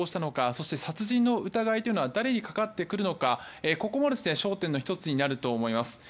そして殺人の疑いが誰にかかってくるのかここも焦点の１つになると思います。